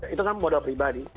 itu kan modal pribadi